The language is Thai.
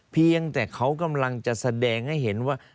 เพียงแต่เขากำลังจะแสดงให้เห็นว่า